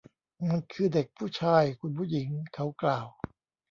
มันคือเด็กผู้ชาย คุณผู้หญิง เขากล่าว